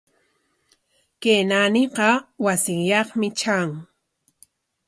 Kay naaniqa wasinyaqmi tran.